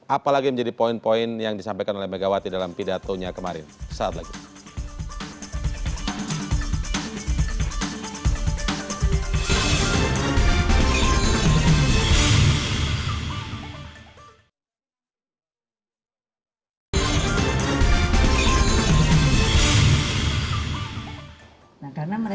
apalagi menjadi poin poin yang disampaikan oleh megawati dalam pidatonya kemarin